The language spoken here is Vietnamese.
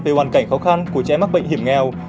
về hoàn cảnh khó khăn của trẻ mắc bệnh hiểm nghèo